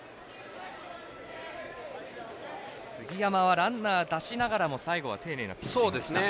杉山はランナー出しながらも最後は丁寧なピッチングでした。